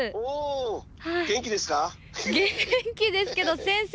元気ですけど先生！